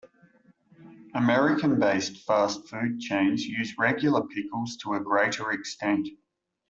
American-based fast food chains use regular pickles to a greater extent.